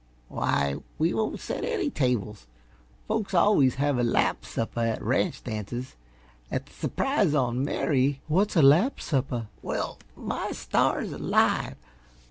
"Why, we won't set any tables. Folks always have a lap supper at ranch dances. At the su'prise on Mary " "What is a lap supper?" "Well, my stars alive!